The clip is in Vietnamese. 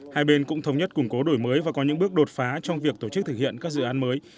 hai bên cũng thống nhất củng cố đổi mới và có những bước đột phá trong việc tổ chức thực hiện các dự án mới